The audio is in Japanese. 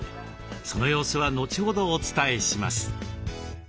その様子は後ほどお伝えします。